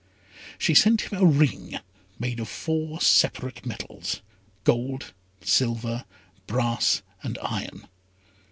She sent him a ring made of four separate metals, gold, silver, brass, and iron.